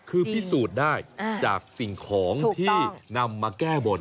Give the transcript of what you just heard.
คือพิสูจน์ได้จากสิ่งของที่นำมาแก้บน